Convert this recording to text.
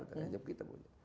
tapi kita punya